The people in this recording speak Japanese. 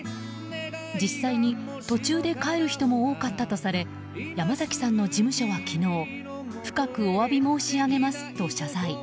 実際に途中で帰る人も多かったとされ山崎さんの事務所は昨日深くお詫び申し上げますと謝罪。